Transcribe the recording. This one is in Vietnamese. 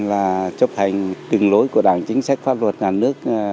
là chấp hành đừng lối của đảng chính sách pháp luật nhà nước